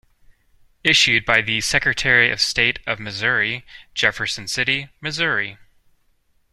Issued by the Secretary of State of Missouri, Jefferson City, Missouri.